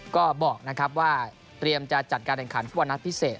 ก็บอกนะครับว่าเตรียมจะจัดการแข่งขันฟุตบอลนัดพิเศษ